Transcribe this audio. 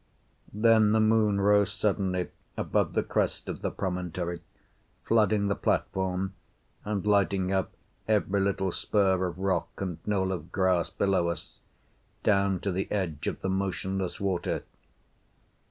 Then the moon rose suddenly above the crest of the promontory, flooding the platform and lighting up every little spur of rock and knoll of grass below us, down to the edge of the motionless water.